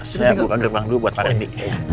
saya buka gerbang dulu buat pak edi